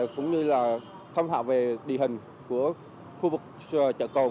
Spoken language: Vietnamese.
cũng như là thông thạo về địa hình của khu vực chợ côn